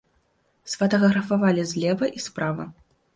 Сфатаграфавалі злева і справа.